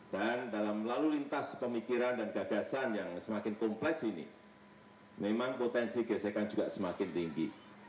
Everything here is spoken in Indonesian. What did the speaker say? dan dalam melalui lintas pemikiran dan gagasan yang semakin kompleks ini memang potensi gesekan juga semakin tinggi